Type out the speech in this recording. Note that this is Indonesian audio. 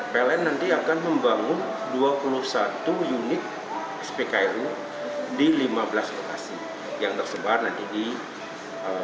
ptpln nanti akan membangun dua puluh satu unit spklu di lima belas lokasi yang tersebar nanti di tanah